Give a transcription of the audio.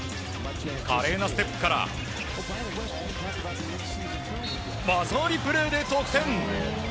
華麗なステップから技ありプレーで得点。